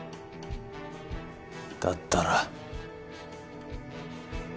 だったら？